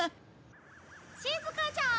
しずかちゃーん！